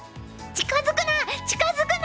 近づくな！